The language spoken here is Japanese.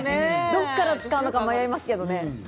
どっから使うのか迷いますね。